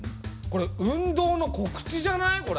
これ運動の告知じゃない？